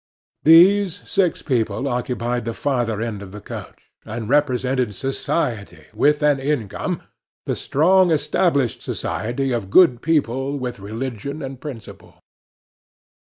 These six people occupied the farther end of the coach, and represented Society with an income the strong, established society of good people with religion and principle.